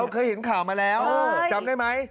เคยเห็นข่าวมาแล้วจำได้ไหม